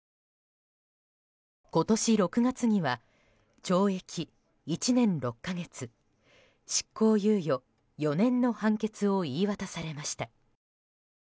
今年６月には懲役１年６か月、執行猶予４年の判決を言い渡されました。